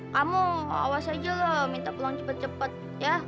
kamu awas aja loh minta peluang cepat cepat ya